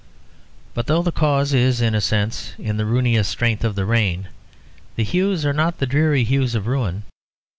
But though the cause is in a sense in the ruinous strength of the rain, the hues are not the dreary hues of ruin.